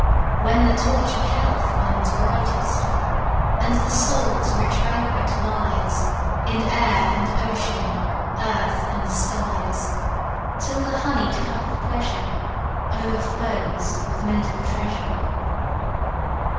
When the torch of health burns brightest, And the soul's rich banquet lies In air and ocean, earth and skies; Till the honied cup of pleasure Overflows with mental treasure.